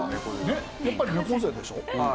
ねえやっぱり猫背でしょ。